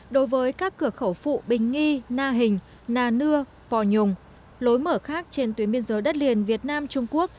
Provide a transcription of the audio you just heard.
đối với các cửa khẩu phụ bình nghi na hình na nưa pò nhùng lối mở khác trên tuyến biên giới đất liền việt nam trung quốc